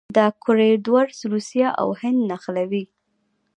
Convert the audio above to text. دا کوریډور روسیه او هند نښلوي.